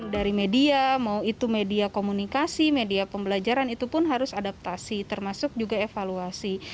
dari media mau itu media komunikasi media pembelajaran itu pun harus adaptasi termasuk juga evaluasi